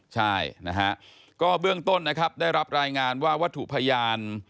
ใช่นะฮะก็เบื้องต้นนะครับได้รับรายงานว่าวัตถุพยาน